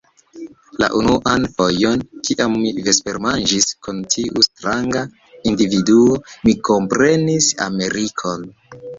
La unuan fojon, kiam mi vespermanĝis kun tiu stranga individuo, mi komprenis Amerikon.